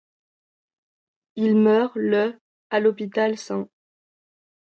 Il meurt le à l'hôpital St.